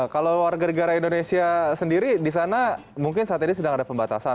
kalau warga negara indonesia sendiri di sana mungkin saat ini sedang ada pembatasan